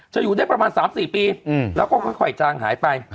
อยู่ได้ประมาณ๓๔ปีแล้วก็ค่อยจางหายไป